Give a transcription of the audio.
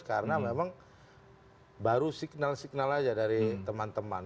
karena memang baru signal signal saja dari teman teman